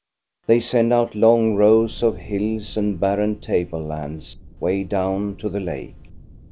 They send out long rows of hills and barren table lands way down to the lake.